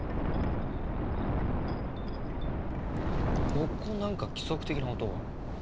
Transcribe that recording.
ここなんか規則的な音が。